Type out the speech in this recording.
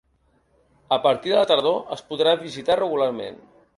A partir de la tardor es podrà visitar regularment.